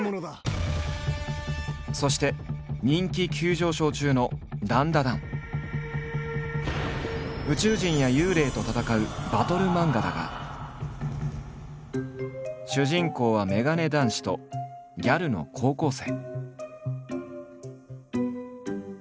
そして人気急上昇中の宇宙人や幽霊と戦うバトル漫画だが主人公はメガネ男子とギャルの高校生。